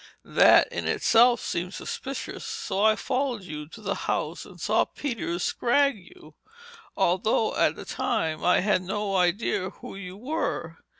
That in itself seemed suspicious, so I followed you to the house and saw Peters scrag you. Although, at the time I had no idea who you were.